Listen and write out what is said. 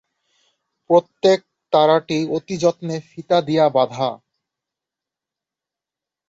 প্রত্যেক তাড়াটি অতিযত্নে ফিতা দিয়া বাঁধা।